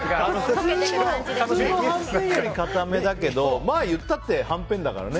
普通のはんぺんより硬めだけどまあ言ったってはんぺんだからね。